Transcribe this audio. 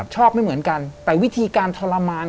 ไม่เหมือนกันแต่วิธีการทรมาน